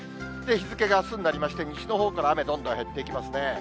日付があすになりまして、西のほうから、雨どんどん減っていきますね。